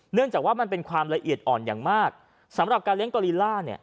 เนื่องจากว่ามันเป็นความละเอียดอ่อนอย่างมากสำหรับการเลี้ยกอลิล่าเนี่ย